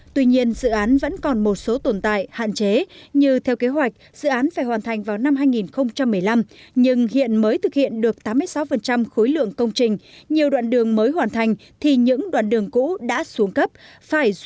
tuy nhiên dự án vẫn còn một số tồn tại hạn chế như theo kế hoạch dự án phải hoàn thành vào năm hai nghìn một mươi năm nhưng hiện mới thực hiện được tám mươi sáu khối lượng công trình nhiều đoạn đường mới hoàn thành thì những đoạn đường cũ đã xuống cấp phải rút gọn